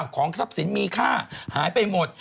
ของทรัพย์สินมีค่าหายไปหมด